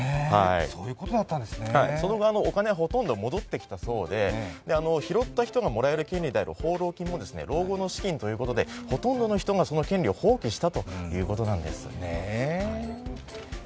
その後、お金はほとんど戻ってきたそうで拾った人がもらえる権利もあるけれども老後の資金ということで、ほとんどの人がその権利を放棄したということなんです。